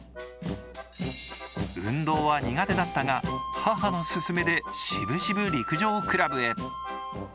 運動は苦手だったが母の勧めでしぶしぶ陸上クラブへ。